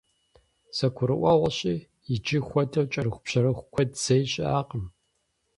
Зэрыгурыӏуэгъуэщи, иджы хуэдэу кӏэрыхубжьэрыху куэд зэи щыӏакъым.